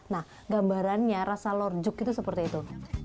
nah gambarannya rasa lorjuk itu seperti itu